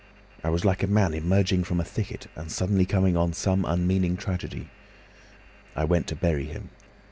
I was like a man emerging from a thicket, and suddenly coming on some unmeaning tragedy. I went to bury him.